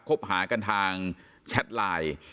คบหากันทางแชทไลน์